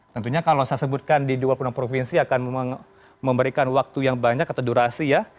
tentunya kalau saya sebutkan di dua puluh enam provinsi akan memberikan waktu yang banyak atau durasi ya